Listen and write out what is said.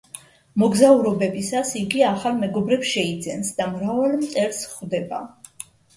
მოგზაურობებისას იგი ახალ მეგობრებს შეიძენს და მრავალ მტერს ხვდება.